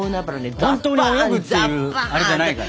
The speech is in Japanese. かまどほんとに泳ぐっていうあれじゃないから。